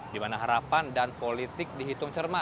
di mana harapan dan politik dihitung cermat